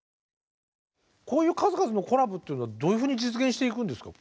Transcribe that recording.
こういう数々のコラボっていうのはどういうふうに実現していくんですか？